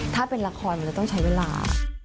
ถ้าเป็นละครมันจะต้องใช้เวลา